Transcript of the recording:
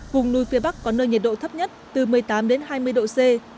vùng nuôi phía bắc có nơi nhiệt độ thấp nhất từ một mươi tám hai mươi độ c